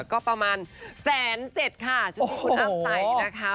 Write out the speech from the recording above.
ก็ประมาณแสนเจ็ดค่ะชุดที่คุณอ้ำใส่นะคะ